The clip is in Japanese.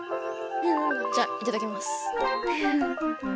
じゃいただきます。